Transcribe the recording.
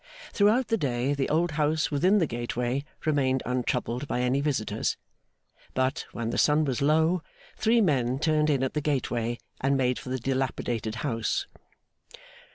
Throughout the day the old house within the gateway remained untroubled by any visitors. But, when the sun was low, three men turned in at the gateway and made for the dilapidated house.